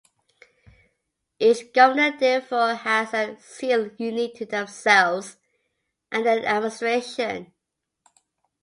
Each Governor therefore has a seal unique to themselves and their administration.